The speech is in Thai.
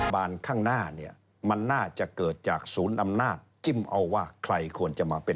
มันเป็นไปไม่ได้ครับ